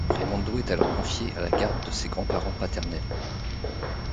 Raimondo est alors confié à la garde de ses grands-parents paternels.